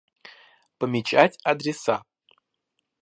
Помечать адреса